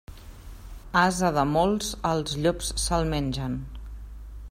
Ase de molts, els llops se'l mengen.